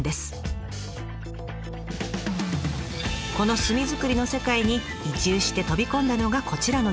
この炭作りの世界に移住して飛び込んだのがこちらの女性。